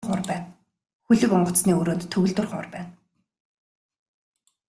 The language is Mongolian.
Хөлөг онгоцны өрөөнд төгөлдөр хуур байна.